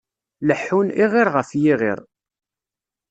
Leḥḥun, iɣiṛ ɣef yiɣiṛ.